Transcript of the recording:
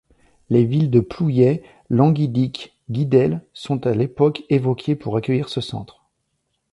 Les villes de Plouay, Languidic, Guidel sont à l'époque évoquées pour accueillir ce centre.